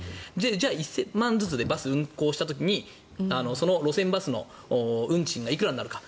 じゃあ１０００万ずつでバスを運行した時にその路線バスの運賃がいくらになるか。